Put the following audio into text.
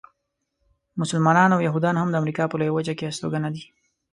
مسلمانان او یهودیان هم د امریکا په لویه وچه کې استوګنه دي.